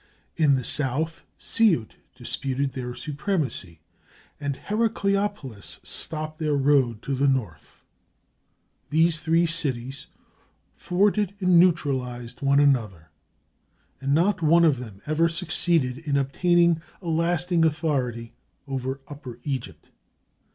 In the south, Siut disputed their supremacy, and Heracleopolis stopped their road to the north. These three cities thwarted and neutralized one another, and not one of them ever succeeded in obtaining a lasting authority over Upper Egypt.